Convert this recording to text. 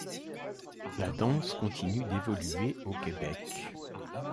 La danse continue d'évoluer au Québec.